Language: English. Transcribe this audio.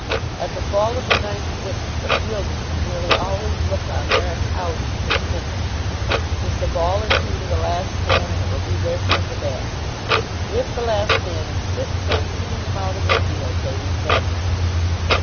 At the fall of the ninth wicket the fieldsmen nearly always look on their outing as finished. Just a ball or two to the last man, and it will be their turn to bat. If the last man insists on keeping them out in the field, they resent it.